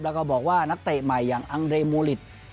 แล้วก็บอกว่านักเตะใหม่อย่างอังเดมูลิต